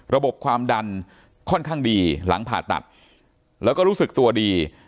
ความดันค่อนข้างดีหลังผ่าตัดแล้วก็รู้สึกตัวดี